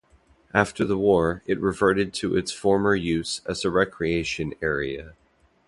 After the war, it reverted to its former use as a recreation area.